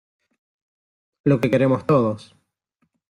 lo que queremos todos: